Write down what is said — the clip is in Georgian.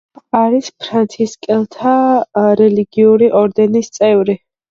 არის ფრანცისკანელთა რელიგიური ორდენის წევრი.